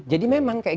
jadi memang kayak gitu